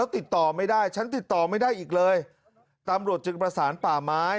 ติดต่อไม่ได้ฉันติดต่อไม่ได้อีกเลยตำรวจจึงประสานป่าไม้